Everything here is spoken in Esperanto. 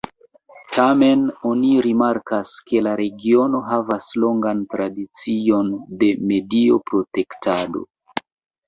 Tamen oni rimarkas ke la regiono havas longan tradicion de medio-protektado.